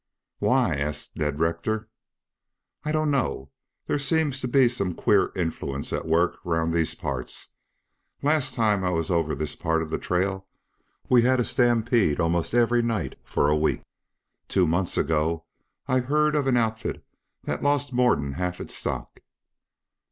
"Why?" asked Ned Rector. "I don't know. There seems to be some queer influence at work round these parts. Last time I was over this part of the trail we had a stampede almost every night for a week. Two months ago I heard of an outfit that lost more'n half its stock."